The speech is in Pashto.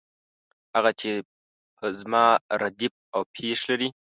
هغه چې په زما ردیف او پیښ لري.